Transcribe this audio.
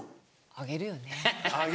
あげるよね。